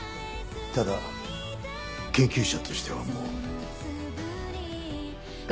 ただ研究者としてはもう。